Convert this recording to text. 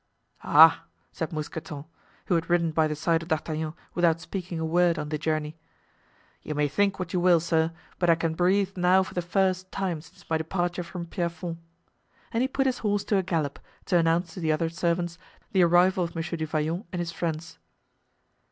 "Ah!" said Mousqueton, who had ridden by the side of D'Artagnan without speaking a word on the journey, "you may think what you will, sir, but I can breathe now for the first time since my departure from Pierrefonds;" and he put his horse to a gallop to announce to the other servants the arrival of Monsieur du Vallon and his friends.